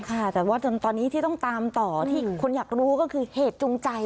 ค่ะแต่ว่าจนตอนนี้ที่ต้องตามต่อที่คนอยากรู้ก็คือเหตุจูงใจ